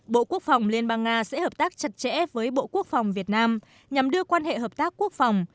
bộ quốc phòng liên bang nga sẽ hợp tác chặt chẽ với bộ quốc phòng việt nam nhằm đưa quan hệ hợp tác quốc phòng